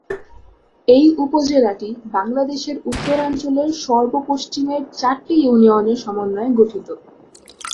এই উপজেলাটি বাংলাদেশের উত্তরাঞ্চলের সর্ব পশ্চিমের চারটি ইউনিয়নের সমন্বয়ে গঠিত।